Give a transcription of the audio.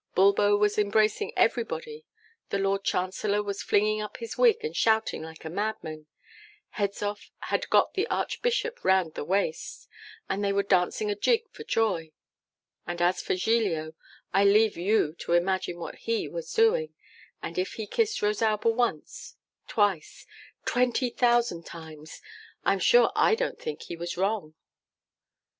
Bulbo was embracing everybody; the Lord Chancellor was flinging up his wig and shouting like a madman; Hedzoff had got the Archbishop round the waist, and they were dancing a jig for joy; and as for Giglio, I leave you to imagine what HE was doing, and if he kissed Rosalba once, twice twenty thousand times, I'm sure I don't think he was wrong.